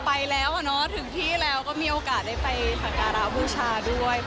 ไปแล้วอ่ะเนอะถึงที่แล้วก็มีโอกาสได้ไปสักการะบูชาด้วย